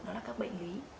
nó là các bệnh lý